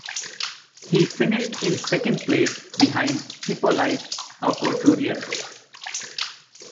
He finished in second place, behind Hippolyte Aucouturier.